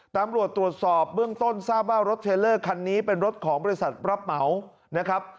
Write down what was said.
ตำรวจตรวจสอบเบื้องต้นทราบว่ารถเทลเลอร์คันนี้เป็นรถของบริษัทรับเหมานะครับ